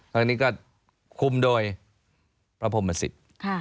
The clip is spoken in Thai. แล้วนี้คือคลุมโดยพระพรหมสิต